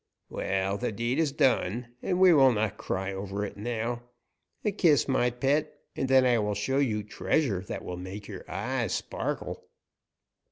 "Well, the deed is done, and we will not cry over it now. A kiss, my pet, and then I will show you treasure that will make your eyes sparkle."